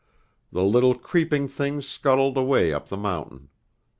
The little creeping things scuttled away up the mountain.